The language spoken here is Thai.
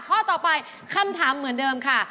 ข้อต่อไปคำถามเหมือนเดิมค่ะ